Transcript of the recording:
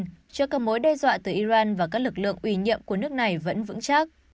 trước các mối đe dọa từ iran và các lực lượng uy nhiệm của nước này vẫn vững chắc